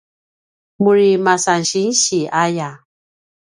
muri masan sinsi aya